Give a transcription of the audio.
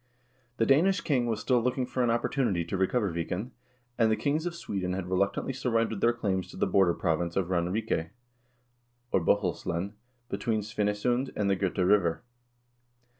The Danish king was still looking for an opportunity to recover Viken, and the kings of Sweden had reluctantly surrendered their claims to the border province of Ranrike, or Bohuslen, between Svinesund and the Gota River.